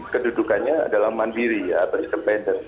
kedudukannya adalah mandiri atau independen